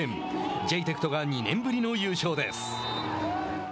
ジェイテクトが２年ぶりの優勝です。